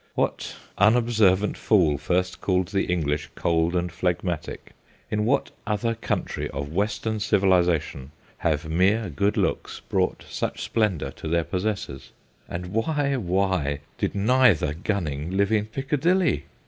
What unobservant fool first called the English cold and phlegmatic? In what other country of Western civilisation have mere good looks NOT MARIA GUNNING 149 brought such splendour to their possessors ? and why, why did neither Gunning live in Piccadilly